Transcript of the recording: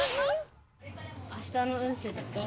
あしたの運勢だって。